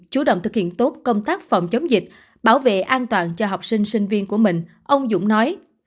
chủ động thực hiện tốt công tác phòng chống dịch bảo vệ an toàn cho học sinh sinh viên của mình ông dũng nói